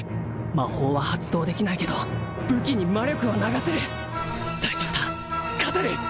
魔法は発動できないけど武器に魔力は流せる大丈夫だ勝てる！